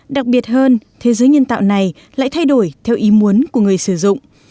đặc biệt hơn thế giới nhân tạo này lại thay đổi theo ý muốn của người sử dụng